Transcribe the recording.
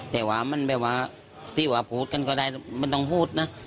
แต่ว่ามันแบบว่าที่ว่าพูดกันก็ได้ไม่ต้องพูดนะ